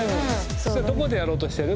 それどこでやろうとしてる？